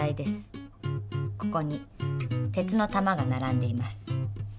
ここに鉄の玉がならんでいます。